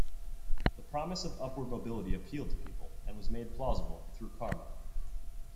The promise of upward mobility appealed to people, and was made plausible through Karma.